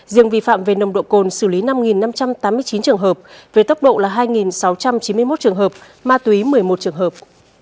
riêng vi phạm về nồng độ cồn xử lý năm năm trăm tám mươi chín trường hợp về tốc độ là hai sáu trăm chín mươi một trường hợp ma túy một mươi một trường hợp